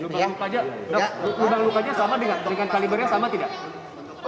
dok lubang lukanya sama dengan kalibernya sama tidak